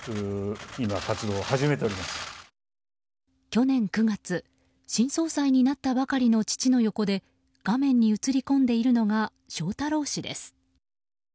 去年９月新総裁になったばかりの父の横で画面に映り込んでいるのが翔太郎氏です。